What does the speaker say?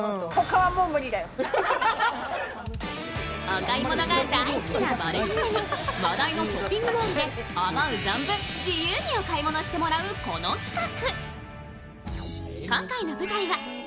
お買い物が大好きなぼる塾に話題のショッピングモールで思う存分、自由にお買い物してもらうこの企画。